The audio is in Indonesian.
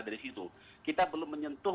dari situ kita belum menyentuh